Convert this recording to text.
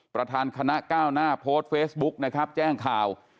ประธานคณะก้าวหน้าโพสต์เฟซบุ๊กนะครับแจ้งข่าว